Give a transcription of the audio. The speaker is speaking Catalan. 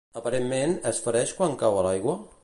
Aparentment, es fereix quan cau a l'aigua?